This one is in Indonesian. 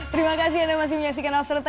terima kasih anda masih menyaksikan after sepuluh